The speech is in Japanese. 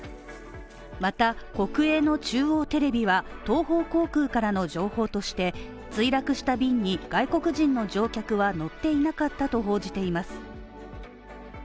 また、国営の中央テレビは東方航空からの情報として通楽した便に外国人の乗客は乗っていなかったと報じています。